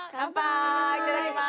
いただきます。